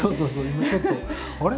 今ちょっとあれ？